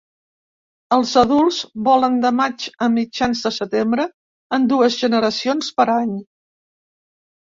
Els adults volen de maig a mitjans de setembre en dues generacions per any.